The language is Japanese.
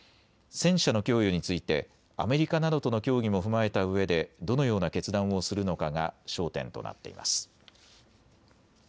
戦車の供与についてアメリカなどとの協議も踏まえたうえでどのような決断をするのかが焦点となっています。